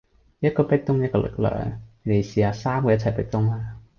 一個壁咚一份力量，你哋試吓三個一齊壁咚啦